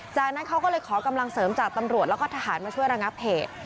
จากนั้นเขาก็เลยขอกำลังเสริมจากตำรวจแล้วก็ทหารมาช่วยระงับเหตุ